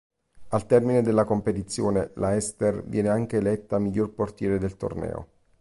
Al termine della competizione, la Ester viene anche eletta miglior portiere del torneo.